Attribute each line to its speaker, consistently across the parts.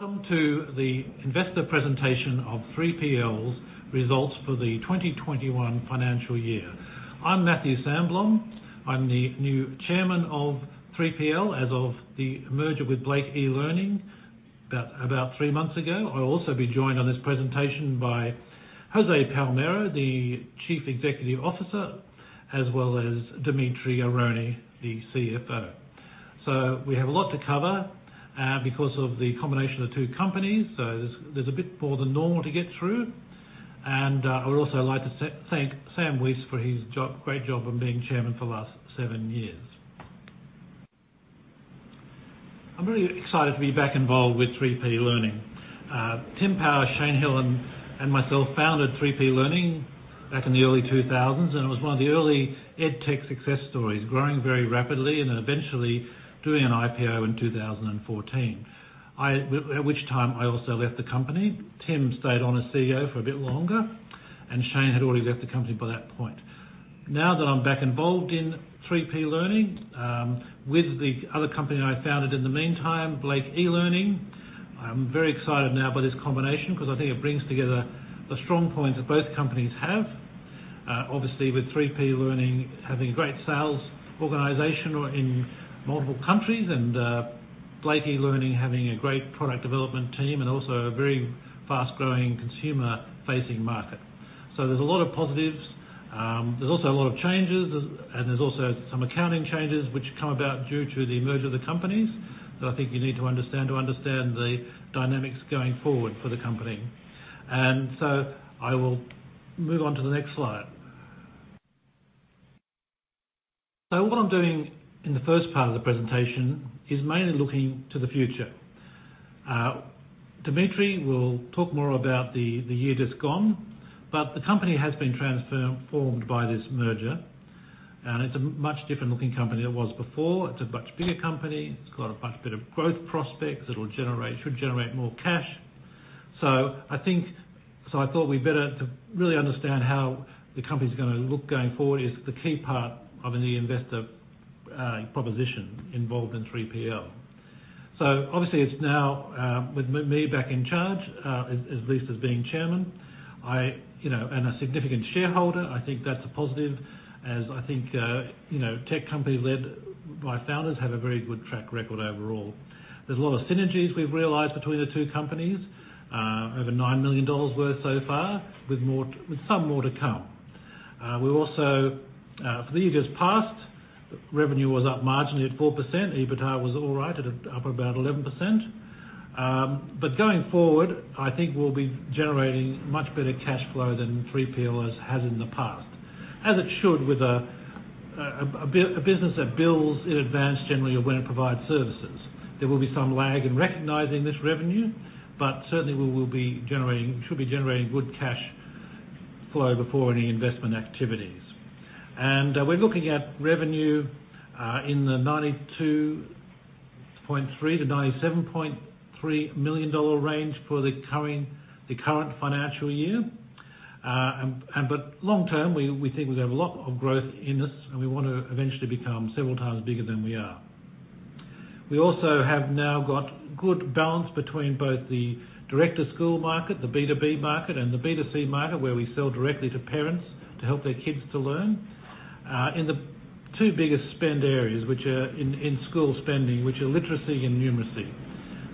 Speaker 1: Welcome to the investor presentation of 3PL's results for the 2021 financial year. I'm Matthew Sandblom. I'm the new Chairman of 3PL as of the merger with Blake eLearning about three months ago. I'll also be joined on this presentation by Jose Palmero, the Chief Executive Officer, as well as Dimitri Aroney, the CFO. We have a lot to cover because of the combination of the two companies. There's a bit more than normal to get through. I would also like to thank Sam Weiss for his great job of being Chairman for the last seven years. I'm really excited to be back involved with 3P Learning. Tim Power, Shane Hill, and myself founded 3P Learning back in the early 2000s, and it was one of the early ed tech success stories, growing very rapidly and then eventually doing an IPO in 2014. At which time I also left the company. Tim stayed on as CEO for a bit longer. Shane had already left the company by that point. Now that I'm back involved in 3P Learning, with the other company I founded in the meantime, Blake eLearning, I'm very excited now by this combination because I think it brings together the strong points that both companies have. Obviously, with 3P Learning having a great sales organization in multiple countries and Blake eLearning having a great product development team, and also a very fast-growing consumer-facing market. There's a lot of positives. There's also a lot of changes. There's also some accounting changes which come about due to the merger of the companies that I think you need to understand to understand the dynamics going forward for the company. I will move on to the next slide. What I'm doing in the first part of the presentation is mainly looking to the future. Dimitri will talk more about the year just gone, but the company has been transformed by this merger, and it's a much different looking company than it was before. It's a much bigger company. It's got a much better growth prospects. It should generate more cash. I thought we better to really understand how the company's going to look going forward is the key part of any investor proposition involved in 3PL. Obviously it's now with me back in charge, at least as being chairman. A significant shareholder, I think that's a positive as I think tech companies led by founders have a very good track record overall. There's a lot of synergies we've realized between the two companies, over 9 million dollars worth so far, with some more to come. For the year just passed, revenue was up marginally at 4%. EBITDA was all right at up about 11%. Going forward, I think we'll be generating much better cash flow than 3PL has had in the past. As it should with a business that bills in advance generally of when it provides services. There will be some lag in recognizing this revenue, certainly we should be generating good cash flow before any investment activities. We're looking at revenue, in the 92.3 million-97.3 million dollar range for the current financial year. Long term, we think we have a lot of growth in this, and we want to eventually become several times bigger than we are. We also have now got good balance between both the direct-to-school market, the B2B market, and the B2C market, where we sell directly to parents to help their kids to learn. In the 2 biggest spend areas in school spending, which are literacy and numeracy.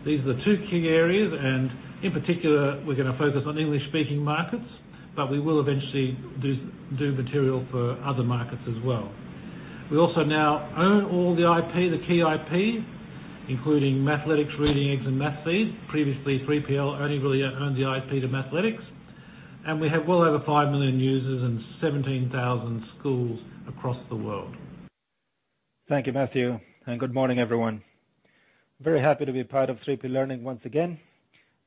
Speaker 1: These are the two key areas, and in particular, we're going to focus on English-speaking markets, but we will eventually do material for other markets as well. We also now own all the IP, the key IP, including Mathletics, Reading Eggs, and Mathseeds. Previously, 3PL only really owned the IP to Mathletics, and we have well over 5 million users and 17,000 schools across the world.
Speaker 2: Thank you, Matthew, and good morning, everyone. Very happy to be part of 3P Learning once again,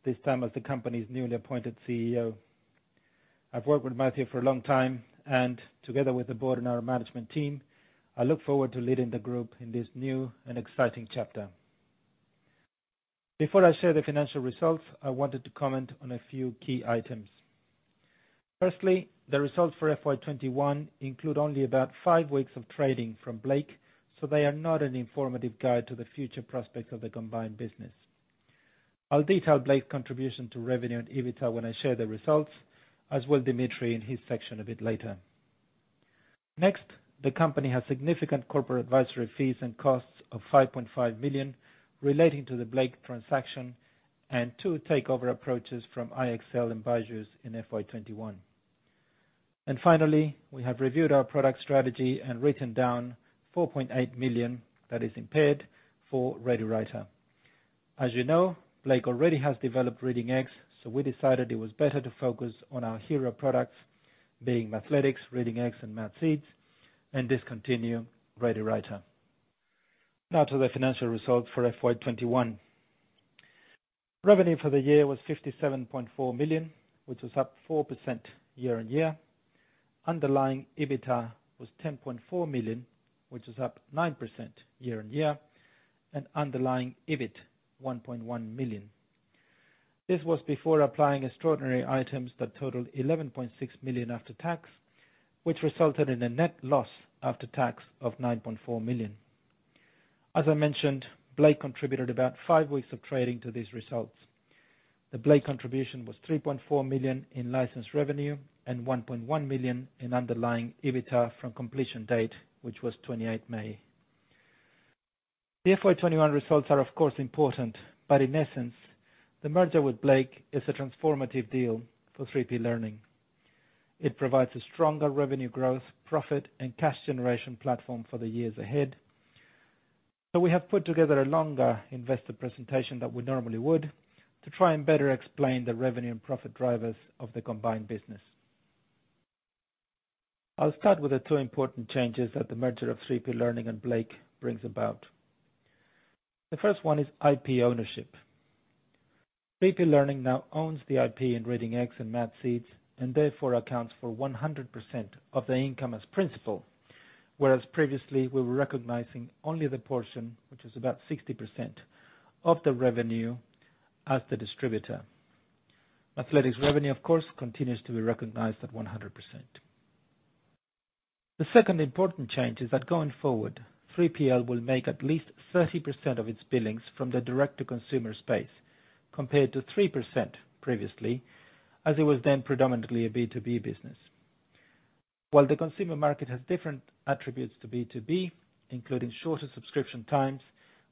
Speaker 2: this time as the company's newly appointed CEO. I've worked with Matthew for a long time, and together with the board and our management team, I look forward to leading the group in this new and exciting chapter. Before I share the financial results, I wanted to comment on a few key items. Firstly, the results for FY 2021 include only about five weeks of trading from Blake, so they are not an informative guide to the future prospects of the combined business. I'll detail Blake's contribution to revenue and EBITDA when I share the results, as will Dimitri in his section a bit later. Next, the company has significant corporate advisory fees and costs of 5.5 million relating to the Blake transaction and two takeover approaches from IXL and BYJU'S in FY 2021. Finally, we have reviewed our product strategy and written down 4.8 million that is impaired for Writing Legends. As you know, Blake already has developed Reading Eggs, we decided it was better to focus on our hero products, being Mathletics, Reading Eggs, and Mathseeds, and discontinue Writing Legends. To the financial results for FY 2021. Revenue for the year was 57.4 million, which was up 4% year-on-year. Underlying EBITDA was 10.4 million, which was up 9% year-on-year, and underlying EBIT 1.1 million. This was before applying extraordinary items that totaled 11.6 million after tax, which resulted in a net loss after tax of 9.4 million. As I mentioned, Blake contributed about five weeks of trading to these results. The Blake contribution was 3.4 million in licensed revenue and 1.1 million in underlying EBITDA from completion date, which was 28th May. The FY 2021 results are, of course, important, but in essence, the merger with Blake is a transformative deal for 3P Learning. We have put together a longer investor presentation than we normally would to try and better explain the revenue and profit drivers of the combined business. I'll start with the two important changes that the merger of 3P Learning and Blake brings about. The first one is IP ownership. 3P Learning now owns the IP in Reading Eggs and Mathseeds, and therefore accounts for 100% of the income as principal, whereas previously, we were recognizing only the portion, which is about 60%, of the revenue as the distributor. Mathletics revenue, of course, continues to be recognized at 100%. The second important change is that going forward, 3PL will make at least 30% of its billings from the direct-to-consumer space, compared to 3% previously, as it was then predominantly a B2B business. While the consumer market has different attributes to B2B, including shorter subscription times,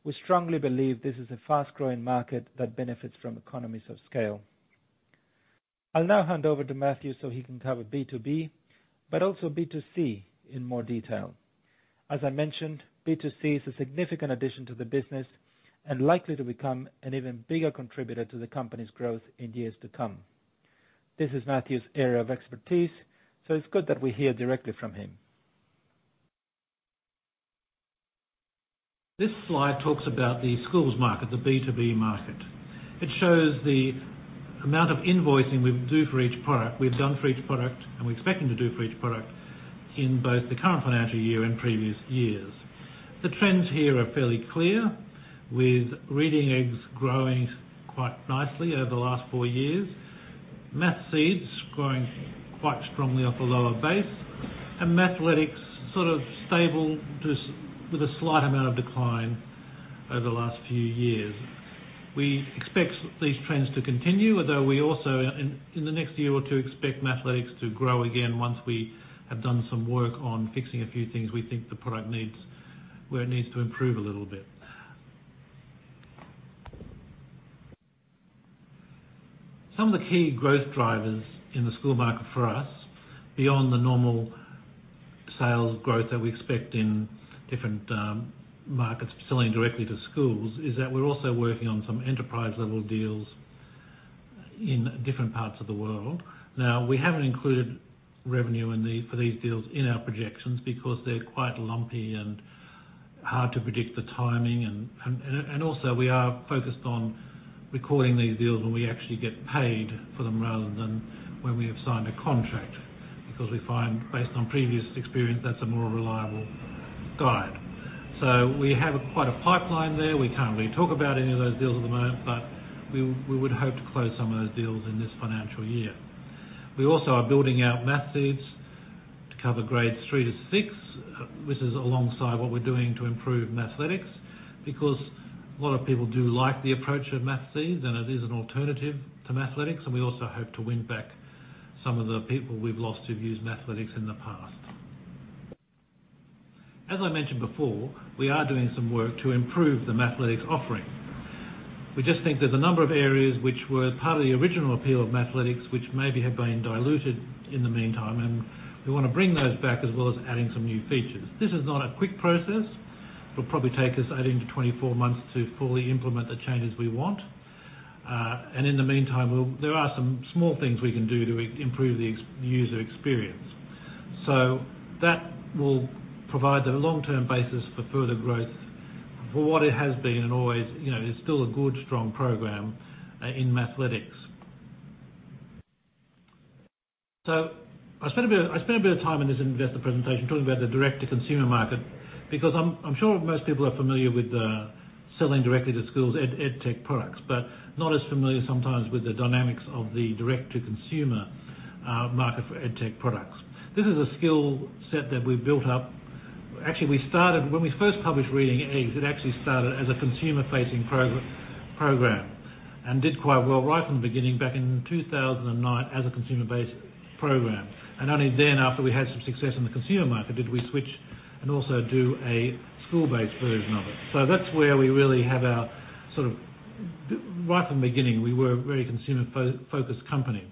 Speaker 2: we strongly believe this is a fast-growing market that benefits from economies of scale. I'll now hand over to Matthew so he can cover B2B, but also B2C in more detail. As I mentioned, B2C is a significant addition to the business and likely to become an even bigger contributor to the company's growth in years to come. This is Matthew's area of expertise, so it's good that we hear directly from him.
Speaker 1: This slide talks about the schools market, the B2B market. It shows the amount of invoicing we do for each product, we've done for each product, and we're expecting to do for each product in both the current financial year and previous years. The trends here are fairly clear, with Reading Eggs growing quite nicely over the last four years, Mathseeds growing quite strongly off a lower base, and Mathletics sort of stable with a slight amount of decline over the last few years. We expect these trends to continue, although we also, in the next year or two, expect Mathletics to grow again once we have done some work on fixing a few things we think the product needs, where it needs to improve a little bit. Some of the key growth drivers in the school market for us, beyond the normal sales growth that we expect in different markets selling directly to schools, is that we're also working on some enterprise-level deals in different parts of the world. We haven't included revenue for these deals in our projections because they're quite lumpy and hard to predict the timing. We are focused on recording these deals when we actually get paid for them rather than when we have signed a contract, because we find based on previous experience, that's a more reliable guide. We have quite a pipeline there. We can't really talk about any of those deals at the moment, but we would hope to close some of those deals in this financial year. We also are building out Mathseeds to cover grades 3 to 6. This is alongside what we're doing to improve Mathletics because a lot of people do like the approach of Mathseeds, and it is an alternative to Mathletics, and we also hope to win back some of the people we've lost who've used Mathletics in the past. As I mentioned before, we are doing some work to improve the Mathletics offering. We just think there's a number of areas which were part of the original appeal of Mathletics, which maybe have been diluted in the meantime, and we want to bring those back, as well as adding some new features. This is not a quick process. It'll probably take us 18 to 24 months to fully implement the changes we want. In the meantime, there are some small things we can do to improve the user experience. That will provide the long-term basis for further growth for what it has been and always. It's still a good, strong program in Mathletics. I spent a bit of time in this investor presentation talking about the direct-to-consumer market because I'm sure most people are familiar with the selling directly to schools' edtech products, but not as familiar sometimes with the dynamics of the direct-to-consumer market for edtech products. This is a skill set that we've built up. Actually, when we first published Reading Eggs, it actually started as a consumer-facing program and did quite well right from the beginning, back in 2009, as a consumer-based program. Only then, after we had some success in the consumer market, did we switch and also do a school-based version of it. Right from the beginning, we were a very consumer-focused company.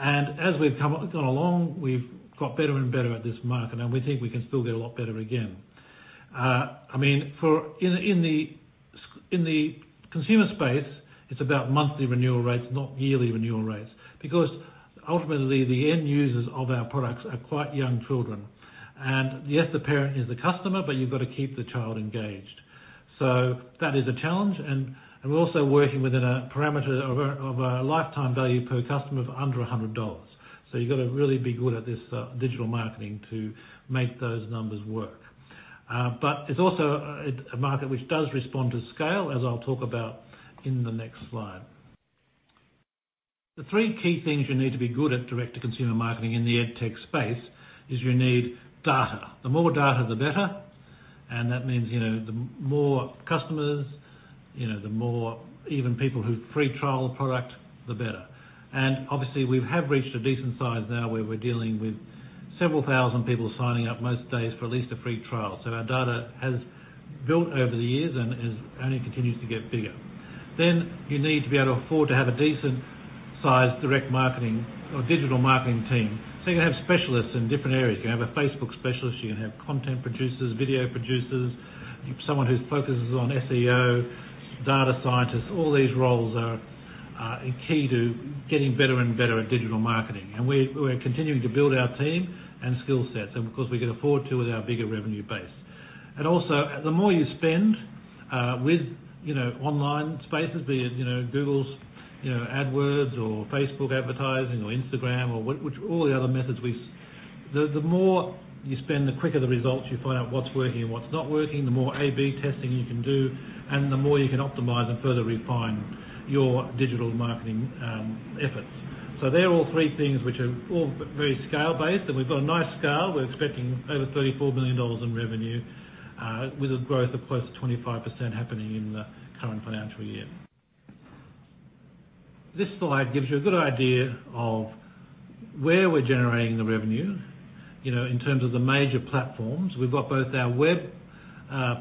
Speaker 1: As we've gone along, we've got better and better at this market, and we think we can still get a lot better again. In the consumer space, it's about monthly renewal rates, not yearly renewal rates, because ultimately, the end users of our products are quite young children. Yes, the parent is the customer, but you've got to keep the child engaged. That is a challenge. We're also working within a parameter of a lifetime value per customer of under 100 dollars. You've got to really be good at this digital marketing to make those numbers work. It's also a market which does respond to scale, as I'll talk about in the next slide. The 3 key things you need to be good at direct-to-consumer marketing in the edtech space is you need data. The more data, the better. That means, the more customers, the more even people who free trial a product, the better. Obviously, we have reached a decent size now where we're dealing with several thousand people signing up most days for at least a free trial. Our data has built over the years and only continues to get bigger. You need to be able to afford to have a decent-size direct marketing or digital marketing team. You can have specialists in different areas. You can have a Facebook specialist, you can have content producers, video producers, someone who focuses on SEO, data scientists. All these roles are key to getting better and better at digital marketing. We're continuing to build our team and skill sets, and of course, we can afford to with our bigger revenue base. The more you spend with online spaces, be it Google AdWords or Facebook advertising or Instagram, the quicker the results. You find out what's working and what's not working, the more A/B testing you can do, and the more you can optimize and further refine your digital marketing efforts. They're all three things which are all very scale-based, and we've got a nice scale. We're expecting over AUD 34 million in revenue with a growth of close to 25% happening in the current financial year. This slide gives you a good idea of where we're generating the revenue. In terms of the major platforms, we've got both our web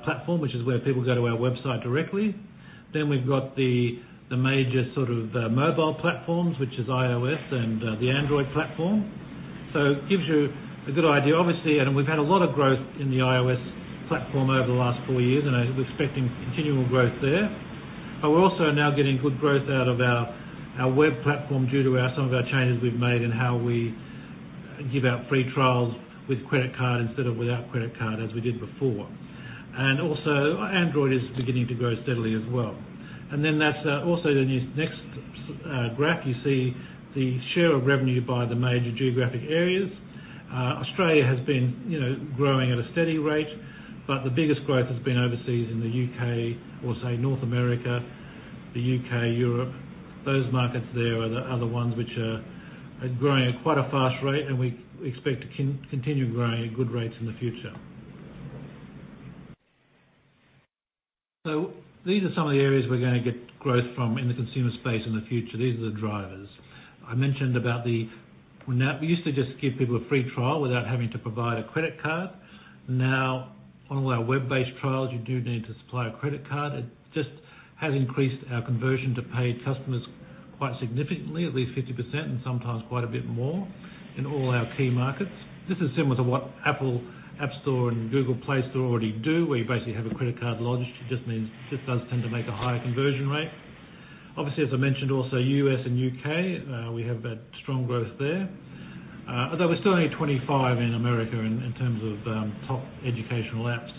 Speaker 1: platform, which is where people go to our website directly. We've got the major sort of mobile platforms, which is iOS and the Android platform. It gives you a good idea. Obviously, we've had a lot of growth in the iOS platform over the last four years, and we're expecting continual growth there. We're also now getting good growth out of our web platform due to some of our changes we've made in how we give out free trials with credit card instead of without credit card as we did before. Android is beginning to grow steadily as well. That's also the next graph you see the share of revenue by the major geographic areas. Australia has been growing at a steady rate, but the biggest growth has been overseas in the U.K. or say North America, the U.K., Europe. Those markets there are the ones which are growing at quite a fast rate, and we expect to continue growing at good rates in the future. These are some of the areas we're going to get growth from in the consumer space in the future. These are the drivers. We used to just give people a free trial without having to provide a credit card. Now, on all our web-based trials, you do need to supply a credit card. It just has increased our conversion to paid customers quite significantly, at least 50% and sometimes quite a bit more in all our key markets. This is similar to what Apple App Store and Google Play Store already do, where you basically have a credit card lodged. It just does tend to make a higher conversion rate. Obviously, as I mentioned also, U.S. and U.K., we have that strong growth there. Although we're still only at 25 in America in terms of top educational apps.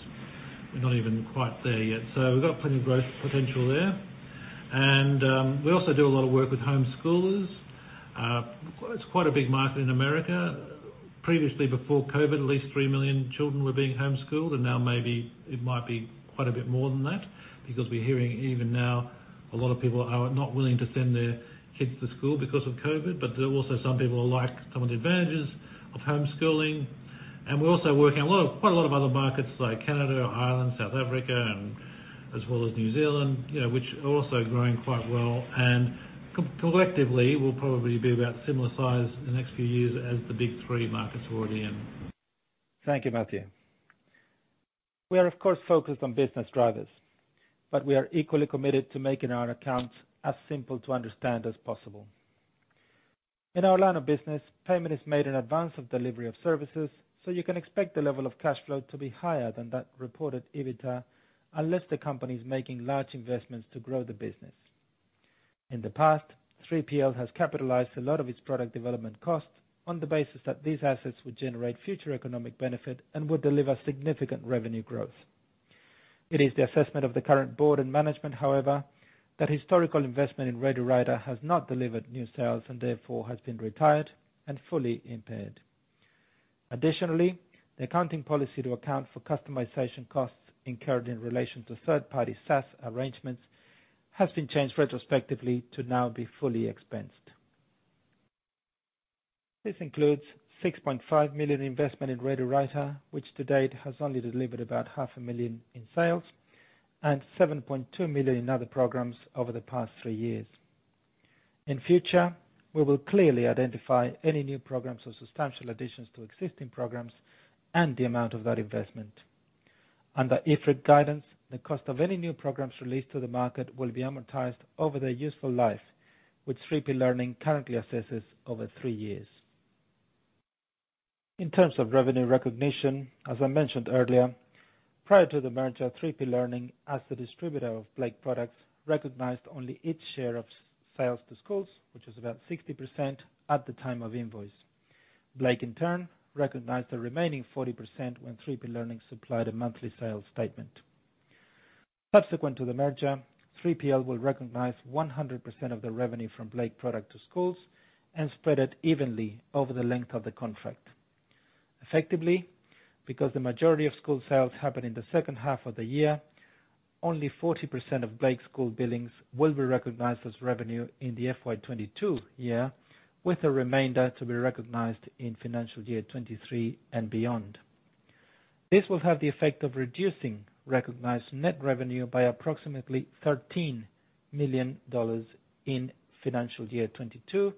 Speaker 1: We're not even quite there yet. We've got plenty of growth potential there. We also do a lot of work with homeschoolers. It's quite a big market in America. Previously, before COVID, at least 3 million children were being homeschooled. Now maybe it might be quite a bit more than that because we're hearing even now a lot of people are not willing to send their kids to school because of COVID. There are also some people who like some of the advantages of homeschooling. We're also working on quite a lot of other markets like Canada, Ireland, South Africa, and as well as New Zealand, which are also growing quite well. Collectively, we'll probably be about similar size in the next few years as the big three markets we're already in.
Speaker 2: Thank you, Matthew. We are, of course, focused on business drivers. We are equally committed to making our accounts as simple to understand as possible. In our line of business, payment is made in advance of delivery of services. You can expect the level of cash flow to be higher than that reported EBITDA unless the company is making large investments to grow the business. In the past, 3PL has capitalized a lot of its product development costs on the basis that these assets would generate future economic benefit and would deliver significant revenue growth. It is the assessment of the current board and management, however, that historical investment in Writing Legends has not delivered new sales and therefore has been retired and fully impaired. Additionally, the accounting policy to account for customization costs incurred in relation to third-party SaaS arrangements has been changed retrospectively to now be fully expensed. This includes 6.5 million investment in Writing Legends, which to date has only delivered about half a million in sales and 7.2 million other programs over the past three years. In future, we will clearly identify any new programs or substantial additions to existing programs and the amount of that investment. Under IFRIC guidance, the cost of any new programs released to the market will be amortized over their useful life, which 3P Learning currently assesses over three years. In terms of revenue recognition, as I mentioned earlier, prior to the merger, 3P Learning as the distributor of Blake products recognized only its share of sales to schools, which was about 60% at the time of invoice. Blake in turn recognized the remaining 40% when 3P Learning supplied a monthly sales statement. Subsequent to the merger, 3PL will recognize 100% of the revenue from Blake product to schools and spread it evenly over the length of the contract. Effectively, because the majority of school sales happen in the second half of the year, only 40% of Blake school billings will be recognized as revenue in the FY 2022 year, with the remainder to be recognized in financial year 2023 and beyond. This will have the effect of reducing recognized net revenue by approximately 13 million dollars in financial year 2022,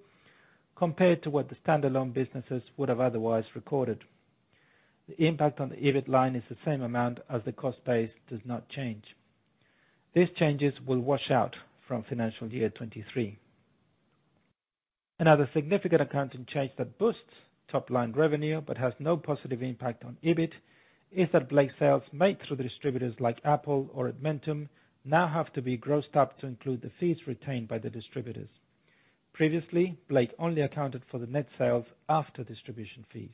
Speaker 2: compared to what the standalone businesses would have otherwise recorded. The impact on the EBIT line is the same amount as the cost base does not change. These changes will wash out from financial year 2023. Another significant accounting change that boosts top-line revenue but has no positive impact on EBIT is that Blake sales made through the distributors like Apple or Edmentum now have to be grossed up to include the fees retained by the distributors. Previously, Blake only accounted for the net sales after distribution fees.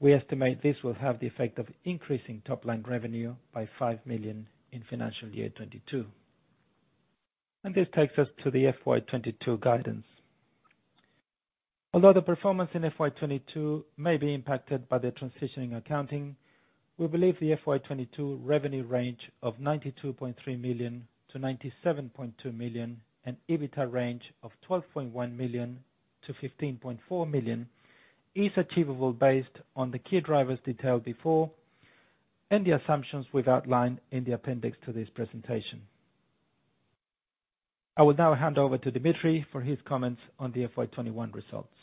Speaker 2: We estimate this will have the effect of increasing top-line revenue by 5 million in financial year 2022. This takes us to the FY 2022 guidance. Although the performance in FY 2022 may be impacted by the transitioning accounting, we believe the FY 2022 revenue range of 92.3 million-97.2 million, and EBITDA range of 12.1 million-15.4 million is achievable based on the key drivers detailed before and the assumptions we've outlined in the appendix to this presentation. I will now hand over to Dimitri for his comments on the FY 2021 results.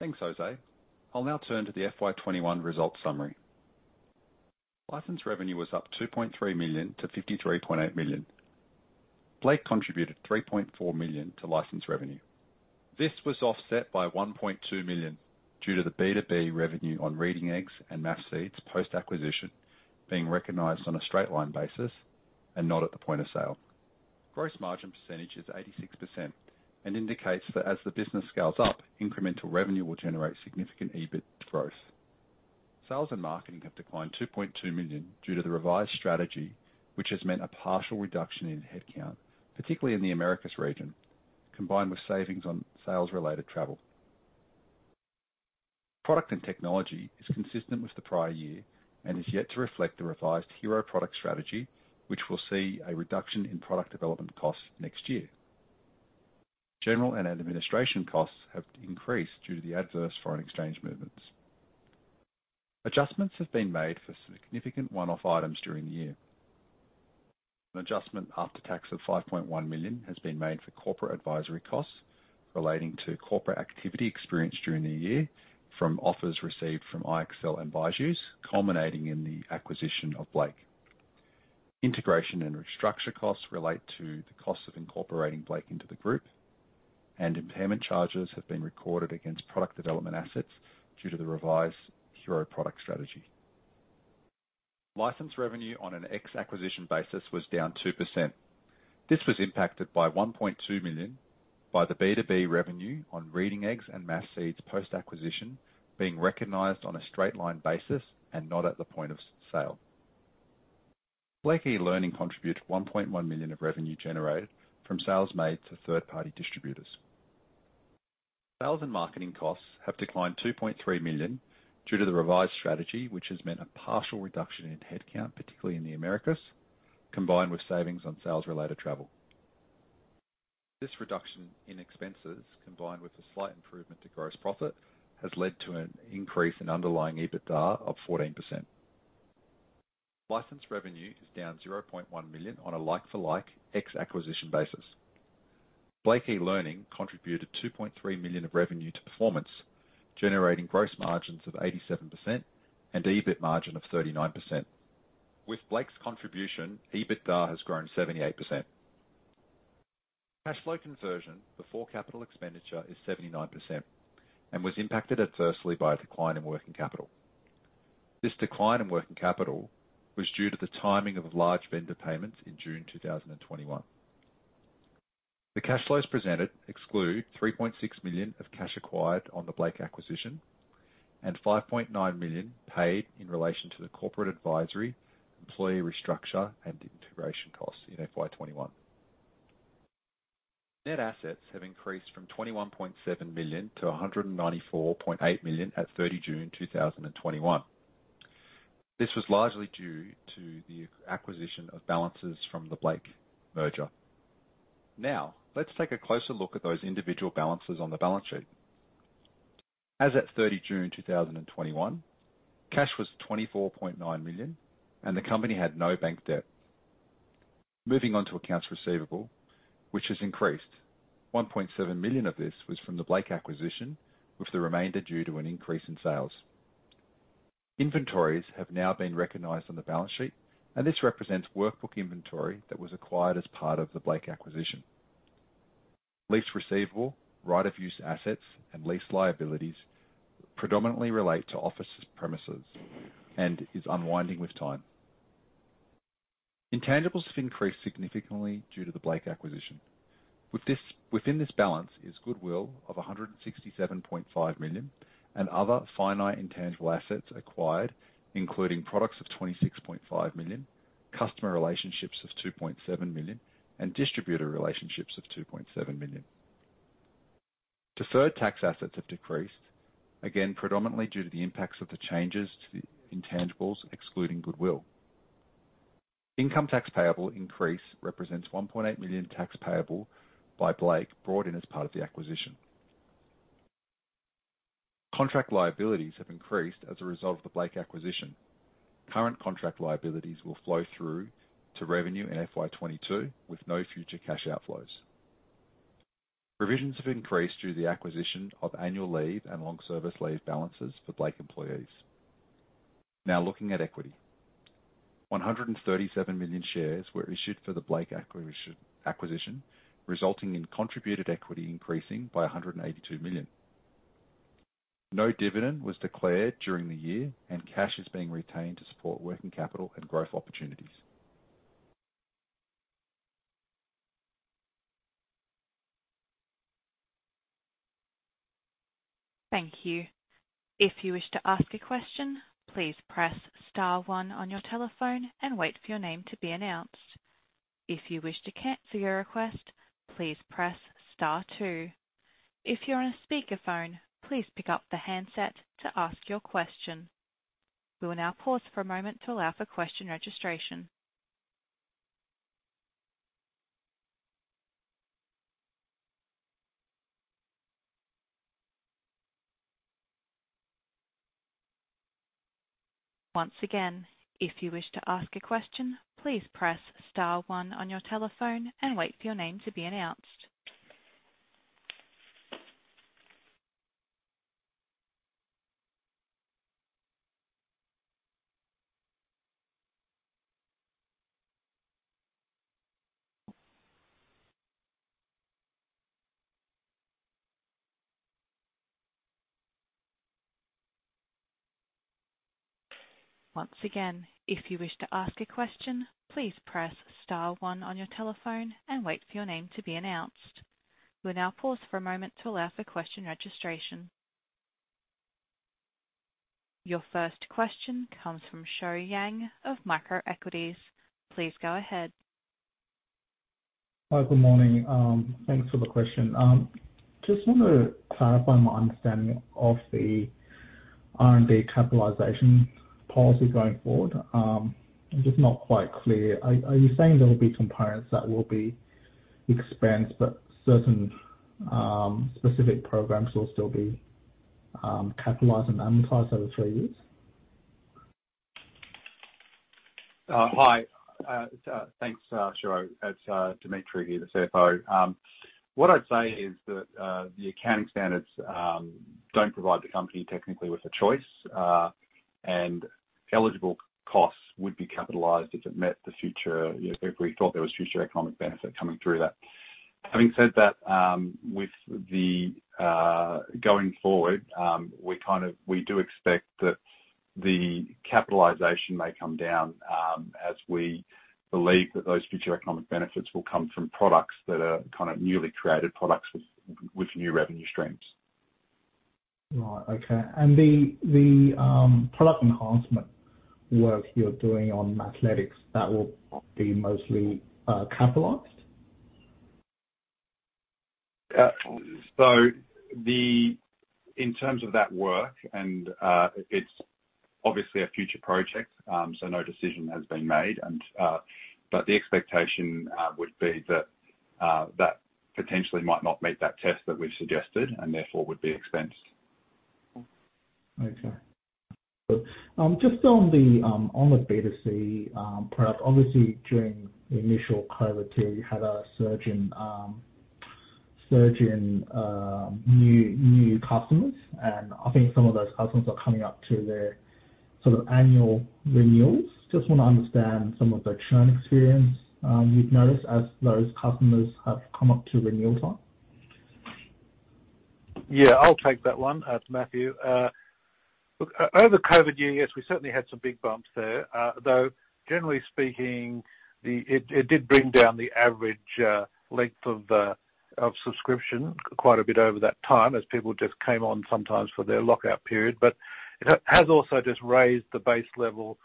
Speaker 3: Thanks, Jose. I'll now turn to the FY 2021 results summary. License revenue was up 2.3 million-53.8 million. Blake contributed 3.4 million to license revenue. This was offset by 1.2 million due to the B2B revenue on Reading Eggs and Mathseeds post-acquisition being recognized on a straight line basis, and not at the point of sale. Gross margin percentage is 86% and indicates that as the business scales up, incremental revenue will generate significant EBIT growth. Sales and marketing have declined 2.2 million due to the revised strategy, which has meant a partial reduction in headcount, particularly in the Americas region, combined with savings on sales-related travel. Product and technology is consistent with the prior year and is yet to reflect the revised hero product strategy, which will see a reduction in product development costs next year. General and administration costs have increased due to the adverse foreign exchange movements. Adjustments have been made for significant one-off items during the year. An adjustment after tax of 5.1 million has been made for corporate advisory costs relating to corporate activity experienced during the year from offers received from IXL and BYJU'S, culminating in the acquisition of Blake. Integration and restructure costs relate to the cost of incorporating Blake into the group, and impairment charges have been recorded against product development assets due to the revised hero product strategy. License revenue on an ex-acquisition basis was down 2%. This was impacted by 1.2 million by the B2B revenue on Reading Eggs and Mathseeds post-acquisition being recognized on a straight line basis and not at the point of sale. Blake eLearning contributed 1.1 million of revenue generated from sales made to third-party distributors. Sales and marketing costs have declined 2.3 million due to the revised strategy, which has meant a partial reduction in headcount, particularly in the Americas, combined with savings on sales-related travel. This reduction in expenses, combined with a slight improvement to gross profit, has led to an increase in underlying EBITDA of 14%. License revenue is down 0.1 million on a like-for-like ex acquisition basis. Blake eLearning contributed 2.3 million of revenue to performance, generating gross margins of 87% and EBIT margin of 39%. With Blake's contribution, EBITDA has grown 78%. Cash flow conversion before capital expenditure is 79% and was impacted adversely by a decline in working capital. This decline in working capital was due to the timing of large vendor payments in June 2021. The cash flows presented exclude 3.6 million of cash acquired on the Blake acquisition and 5.9 million paid in relation to the corporate advisory, employee restructure, and integration costs in FY 2021. Net assets have increased from 21.7 million-194.8 million at 30th June 2021. This was largely due to the acquisition of balances from the Blake merger. Let's take a closer look at those individual balances on the balance sheet. As at 30th June 2021, cash was 24.9 million and the company had no bank debt. Moving on to accounts receivable, which has increased. 1.7 million of this was from the Blake acquisition, with the remainder due to an increase in sales. Inventories have now been recognized on the balance sheet, and this represents workbook inventory that was acquired as part of the Blake acquisition. Lease receivable, right of use assets, and lease liabilities predominantly relate to office premises and is unwinding with time. Intangibles have increased significantly due to the Blake acquisition. Within this balance is goodwill of 167.5 million and other finite intangible assets acquired, including products of 26.5 million, customer relationships of 2.7 million, and distributor relationships of 2.7 million. Deferred tax assets have decreased, again predominantly due to the impacts of the changes to the intangibles excluding goodwill. Income tax payable increase represents 1.8 million tax payable by Blake brought in as part of the acquisition. Contract liabilities have increased as a result of the Blake acquisition. Current contract liabilities will flow through to revenue in FY 2022 with no future cash outflows. Provisions have increased through the acquisition of annual leave and long service leave balances for Blake employees. Now, looking at equity. 137 million shares were issued for the Blake acquisition, resulting in contributed equity increasing by AUD 182 million. No dividend was declared during the year, and cash is being retained to support working capital and growth opportunities.
Speaker 4: Your first question comes from Shuo Yang of Microequities. Please go ahead.
Speaker 5: Hi. Good morning. Thanks for the question. Just want to clarify my understanding of the R&D capitalization policy going forward. I'm just not quite clear. Are you saying there will be components that will be expensed, but certain specific programs will still be capitalized and amortized over three years?
Speaker 3: Hi. Thanks, Shuo. It's Dimitri here, the CFO. What I'd say is that the accounting standards don't provide the company technically with a choice, and eligible costs would be capitalized if we thought there was future economic benefit coming through that. Having said that, going forward, we do expect that the capitalization may come down as we believe that those future economic benefits will come from products that are newly created products with new revenue streams.
Speaker 5: Right. Okay. The product enhancement work you're doing on Mathletics, that will be mostly capitalized?
Speaker 3: In terms of that work, and it's obviously a future project, so no decision has been made. The expectation would be that potentially might not meet that test that we've suggested and therefore would be expensed.
Speaker 5: On the B2C product, obviously, during the initial COVID period, you had a surge in new customers, and I think some of those customers are coming up to their sort of annual renewals. Just want to understand some of the churn experience you've noticed as those customers have come up to renewal time.
Speaker 1: Yeah, I'll take that one. It's Matthew. Over COVID years, we certainly had some big bumps there. Generally speaking, it did bring down the average length of subscription quite a bit over that time as people just came on sometimes for their lockout period. It has also just raised the base level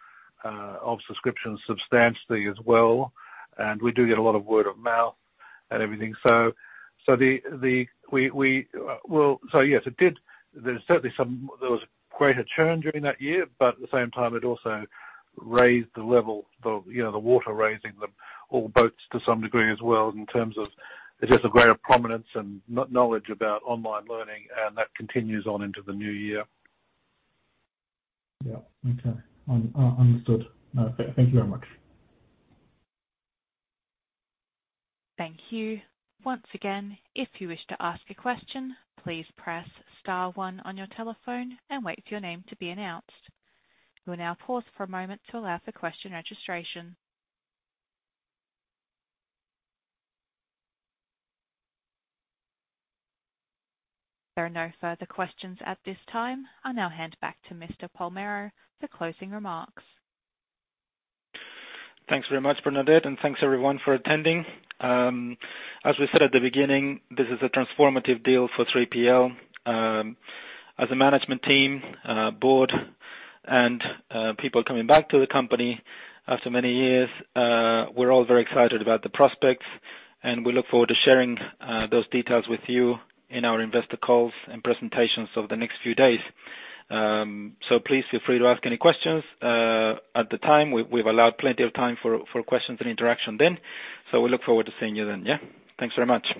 Speaker 1: of subscription substantially as well, and we do get a lot of word of mouth and everything. Yes, there was greater churn during that year, at the same time, it also raised the level of the water, raising the boats to some degree as well in terms of it's just a greater prominence and knowledge about online learning, and that continues on into the new year.
Speaker 5: Yeah. Okay. Understood. Thank you very much.
Speaker 4: Thank you. Once again, if you wish to ask a question, please press star one on your telephone and wait for your name to be announced. We will now pause for a moment to allow for question registration. There are no further questions at this time. I'll now hand back to Mr. Palmero for closing remarks.
Speaker 2: Thanks very much, Bernadette. Thanks everyone for attending. As we said at the beginning, this is a transformative deal for 3PL. As a management team, board, and people coming back to the company after many years, we're all very excited about the prospects. We look forward to sharing those details with you in our investor calls and presentations over the next few days. Please feel free to ask any questions at the time. We've allowed plenty of time for questions and interaction then. We look forward to seeing you then, yeah. Thanks very much.